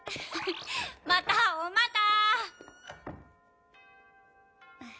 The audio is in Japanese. またおまた。